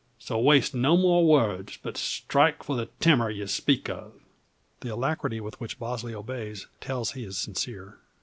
So waste no more words, but strike for the timmer ye speak o'." The alacrity with which Bosley obeys tells he is sincere.